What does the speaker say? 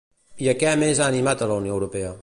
I a què més ha animat a la Unió Europea?